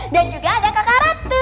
dan juga ada kakak ratu